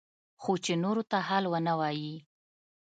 خو چې نورو ته حال ونه وايي.